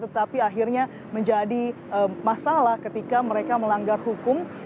tetapi akhirnya menjadi masalah ketika mereka melanggar hukum